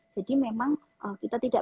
jadi memang kita tidak